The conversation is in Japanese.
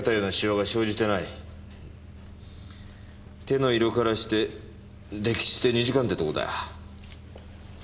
手の色からして溺死して２時間ってとこだ。